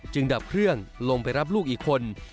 ดับเครื่องลงไปรับลูกอีกคน